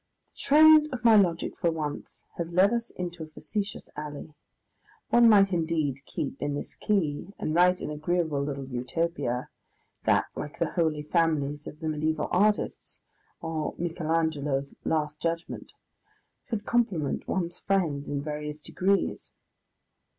The trend of my logic for once has led us into a facetious alley. One might indeed keep in this key, and write an agreeable little Utopia, that like the holy families of the mediaeval artists (or Michael Angelo's Last Judgement) should compliment one's friends in various degrees.